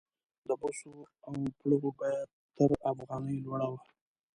د بوسو او پړو بیه تر افغانۍ لوړه وه.